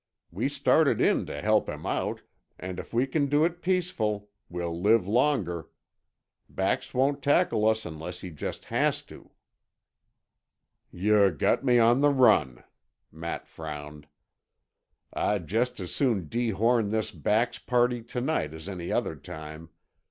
We started in to help him out, and if we can do it peaceful, we'll live longer. Bax won't tackle us unless he just has to." "Yuh got me on the run," Matt frowned. "I'd just as soon dehorn this Bax party to night as any other time.